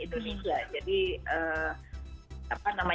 pandemi ini memberikan nuansa baru bagi perekonomian baru di indonesia